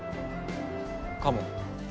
かも。